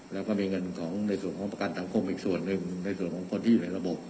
แล้วก็มีเงินของในส่วนของประกันสังคมอีกส่วนหนึ่งในส่วนของคนที่อยู่ในระบบ